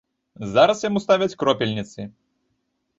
Зараз яму ставяць кропельніцы.